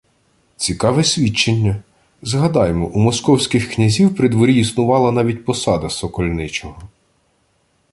Цікаве свідчення! Згадаймо: у московських князів при дворі існувала навіть посада сокольничого